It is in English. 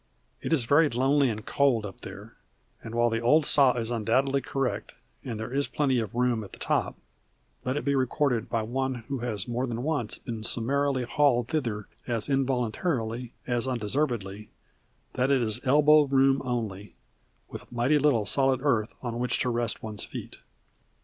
It is very lonely and cold up there, and while the old saw is undoubtedly correct, and there is plenty of room at the top, let it be recorded by one who has more than once been summarily hauled thither as involuntarily as undeservedly, that it is elbow room only, with mighty little solid earth on which to rest one's feet.